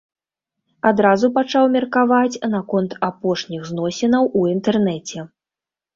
Адразу пачаў меркаваць наконт апошніх зносінаў у інтэрнэце.